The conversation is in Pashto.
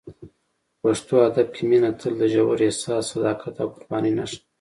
په پښتو ادب کې مینه تل د ژور احساس، صداقت او قربانۍ نښه ده.